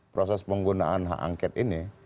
proses penggunaan hak angket ini